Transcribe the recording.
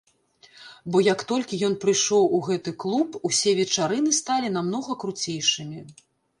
Бо, як толькі ён прыйшоў ў гэты клуб, усе вечарыны сталі намнога круцейшымі!